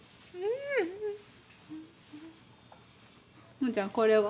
ももちゃんこれは？